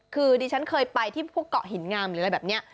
คือดิฉันเคยไปที่พวกเกาะหินงามหรืออะไรแบบนี้